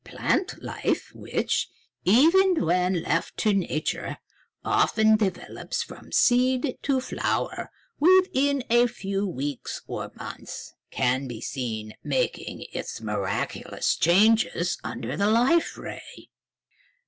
Plant life, which, even when left to nature, often develops from seed to flower within a few weeks or months, can be seen making its miraculous changes under the Life Ray.